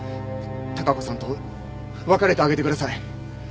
貴子さんと別れてあげてください。